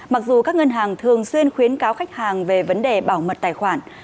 mặc dù các ngân hàng thường xuyên khuyến cáo khách hàng về vấn đề bảo mật tài khoản